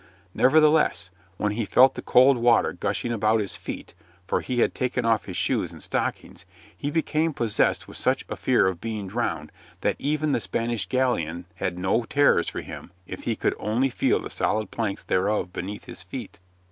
Nevertheless, when he felt the cold water gushing about his feet (for he had taken off his shoes and stockings) he became possessed with such a fear of being drowned that even the Spanish galleon had no terrors for him if he could only feel the solid planks thereof beneath his feet.